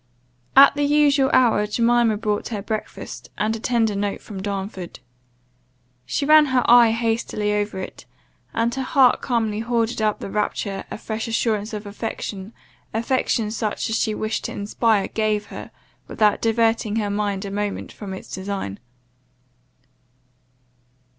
At the usual hour, Jemima brought her breakfast, and a tender note from Darnford. She ran her eye hastily over it, and her heart calmly hoarded up the rapture a fresh assurance of affection, affection such as she wished to inspire, gave her, without diverting her mind a moment from its design.